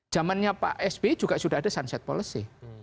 jamannya pak sp juga sudah ada sunset policy